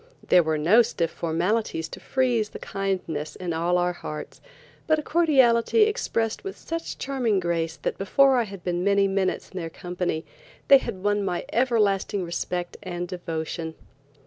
There were no stiff formalities to freeze the kindness in all our hearts, but a cordiality expressed with such charming grace that before I had been many minutes in their company, they had won my everlasting respect and devotion.